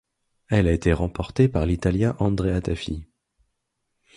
Elle a été remportée par l'Italien Andrea Tafi.